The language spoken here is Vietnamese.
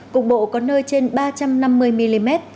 cục bộ có nơi trên ba trăm năm mươi mm